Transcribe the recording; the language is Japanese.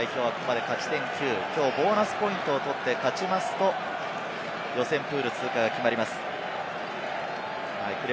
イングランド代表は、ここまで勝ち点９、きょうはボーナスポイントを取って勝ちますと、予選プール通過が決まります。